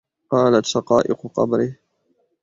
قالت شقائق قبره